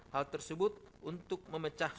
hal tersebut untuk memecah